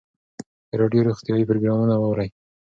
د راډیو روغتیایي پروګرامونه واورئ.